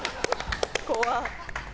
怖っ！